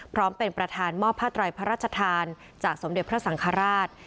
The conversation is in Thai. พร้อมเป็นประธานมอบผ้าไตรพระราชทานจากสมเด็จพระสังฆราช